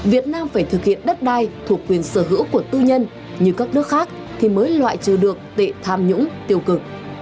việt nam phải thực hiện đất đai thuộc quyền sở hữu của tư nhân như các nước khác thì mới loại trừ được tệ tham nhũng tiêu cực